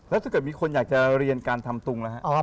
แล้วถ้าเกิดมีคนอยากจะเรียนการทำตุงแล้วครับ